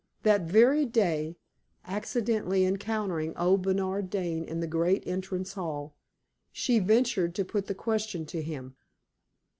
That very day, accidentally encountering old Bernard Dane in the great entrance hall, she ventured to put the question to him.